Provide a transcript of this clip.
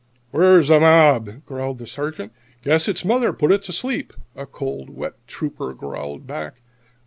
"Where's their mob?" growled the Sergeant. "Guess its mother's put it to sleep," a cold, wet Trooper growled back.